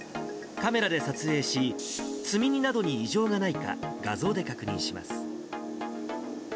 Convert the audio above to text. カメラで撮影し、積み荷などに異常がないか、画像で確認します。